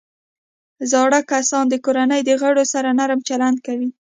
زاړه کسان د کورنۍ د غړو سره نرم چلند کوي